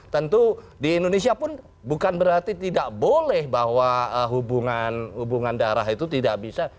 tentu di indonesia pun bukan berarti tidak boleh bahwa hubungan darah itu tidak bisa